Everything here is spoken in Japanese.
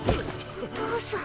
お父さん。